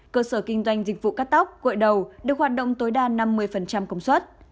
cơ sở kinh doanh dịch vụ cắt tóc gội đầu được hoạt động tối đa năm mươi công suất